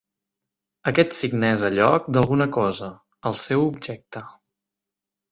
Aquest signe és a lloc d'alguna cosa, el seu objecte.